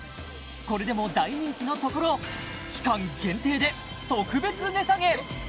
これでも大人気のところ期間限定で特別値下げ！